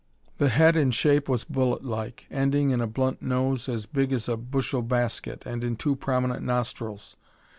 The head in shape was bullet like, ending in a blunt nose as big as a bushel basket and in two prominent nostrils.